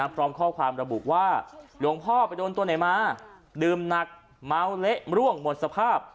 พร้อมข้อความระบุว่าหลวงพ่อไปโดนตัวไหนมาดื่มหนักเมาเละร่วงหมดสภาพ